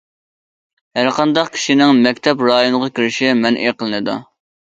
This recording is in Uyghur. ھەر قانداق كىشىنىڭ مەكتەپ رايونىغا كىرىشى مەنئى قىلىنىدۇ.